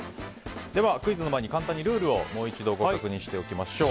では、クイズの前に簡単にルールを確認していきましょう。